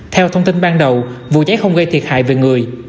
theo thông tin ban đầu vụ cháy không gây thiệt hại về người